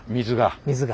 水が。